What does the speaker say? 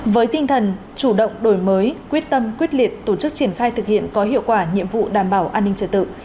với tinh thần chủ động đổi mới quyết tâm quyết liệt tổ chức triển khai thực hiện có hiệu quả nhiệm vụ đảm bảo an ninh trật tự